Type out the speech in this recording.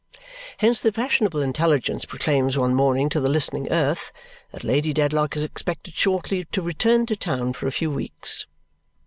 Hence the fashionable intelligence proclaims one morning to the listening earth that Lady Dedlock is expected shortly to return to town for a few weeks.